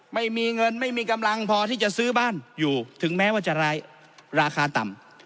ไม่มีเงินไม่มีกำลังพอที่จะซื้อบ้านอยู่ถึงแม้ว่าจะร้ายราคาต่ำ